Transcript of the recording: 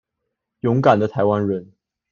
勇敢的臺灣人